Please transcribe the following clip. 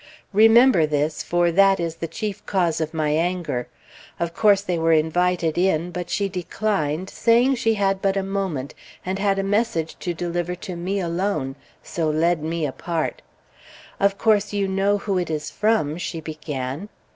Remember this, for that is the chief cause of my anger. Of course they were invited in; but she declined, saying she had but a moment, and had a message to deliver to me alone, so led me apart. "Of course you know who it is from?" she began.